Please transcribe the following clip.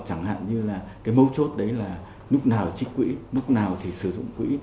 chẳng hạn như là cái mấu chốt đấy là lúc nào trích quỹ lúc nào thì sử dụng quỹ